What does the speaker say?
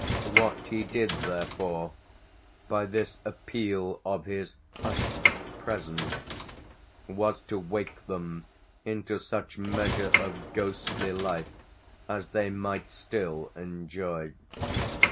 What he did therefore by this appeal of his hushed presence was to wake them into such measure of ghostly life as they might still enjoy.